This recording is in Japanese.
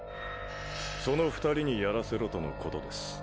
その２人にやらせろとのことです。